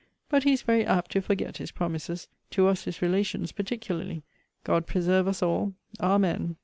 But he is very apt to forget his promises; to us his relations particularly. God preserve us all; Amen!